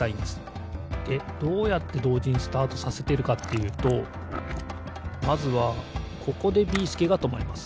でどうやってどうじにスタートさせてるかっていうとまずはここでビーすけがとまります。